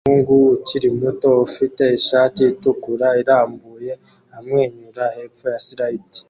Umuhungu ukiri muto ufite ishati itukura irambuye amwenyura hepfo ya slide